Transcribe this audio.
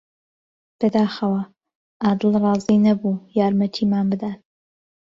بەداخەوە، عادل ڕازی نەبوو یارمەتیمان بدات.